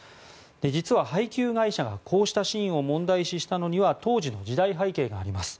実は、配給会社がこうしたシーンを問題視したのには当時の時代背景があります。